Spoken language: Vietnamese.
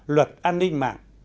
luật an ninh mạng